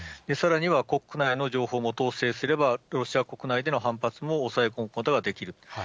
さらには国内の情報も統制すれば、ロシア国内での反発も抑え込むことができる。